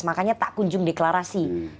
makanya tak kunjung deklarasi